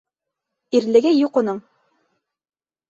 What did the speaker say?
Ирлеге юҡ уның.